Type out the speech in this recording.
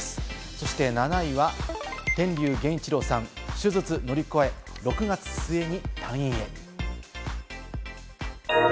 そして７位は天龍源一郎さん、手術乗り越え６月末に退院へ。